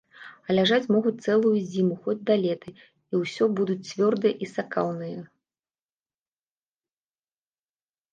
А ляжаць могуць цэлую зіму, хоць да лета, і ўсё будуць цвёрдыя і сакаўныя.